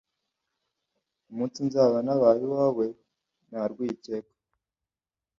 umunsi nzaba nabaye uwawe ntarwikekwe